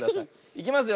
いきますよ。